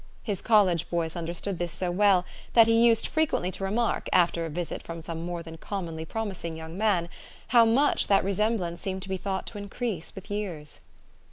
His college boys understood this so well, that he used frequently to remark, after a visit from some more than commonly promising young man, how much that resemblance seemed to be thought to in crease with years.